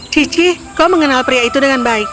cici kau mengenal pria itu dengan baik